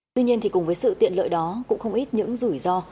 tuy nhiên thì cùng với sự tiện lợi đó cũng không ít những rủi ro